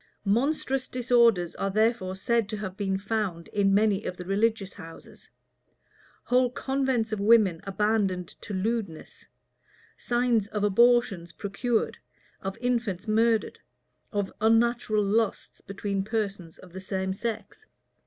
Monstrous disorders are therefore said to have been found in many of the religious houses; whole convents of women abandoned to lewdness; signs of abortions procured, of infants murdered, of unnatural lusts between persons of the same sex.